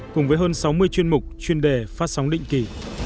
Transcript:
cùng với hơn sáu mươi chuyên mục chuyên đề phát sóng định kỳ